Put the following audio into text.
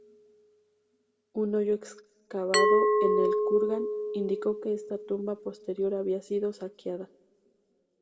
Un hoyo excavado en el kurgan indicó que esta tumba posterior había sido saqueada.